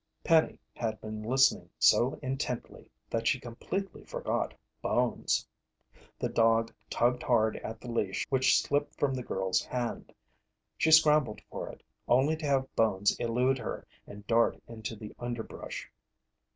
Penny had been listening so intently that she completely forgot Bones. The dog tugged hard at the leash which slipped from the girl's hand. She scrambled for it, only to have Bones elude her and dart into the underbrush.